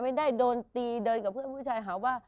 ไม่ได้โดนตีเดินกับผู้ชาย